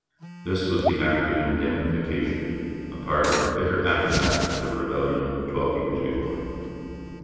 This was the Act of Indemnification, a part of the bitter aftermath of the rebellion twelve years before.